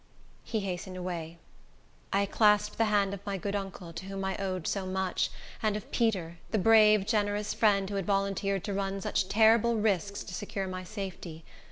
He hastened away. I clasped the hand of my good uncle, to whom I owed so much, and of Peter, the brave, generous friend who had volunteered to run such terrible risks to secure my safety.